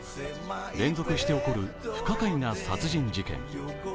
連続して起こる不可解な殺人事件。